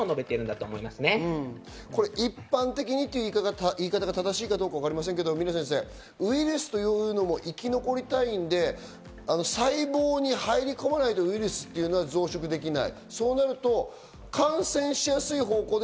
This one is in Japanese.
一般的にという言い方が正しいかわかりませんけど峰先生、ウイルスというのも生き残りたいので、細胞に入り込まないとウイルスが増殖できない。